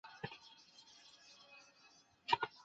丰捷卡巴尔代斯人口变化图示